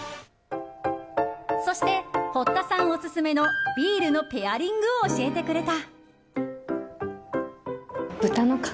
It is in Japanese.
そして、堀田さんオススメのビールのペアリングを教えてくれた。